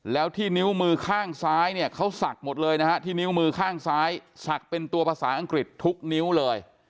แล้วที่นิ้วมือข้างซ้ายเนี่ยเขาศักดิ์หมดเลยนะฮะที่นิ้วมือข้างซ้ายศักดิ์เป็นตัวภาษาอังกฤษทุกนิ้วเลย